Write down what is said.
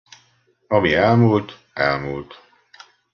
Ami elmúlt, elmúlt.